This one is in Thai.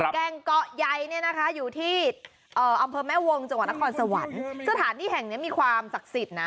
แก่งเกาะใยเนี่ยนะคะอยู่ที่อำเภอแม่วงจังหวัดนครสวรรค์สถานที่แห่งเนี้ยมีความศักดิ์สิทธิ์นะ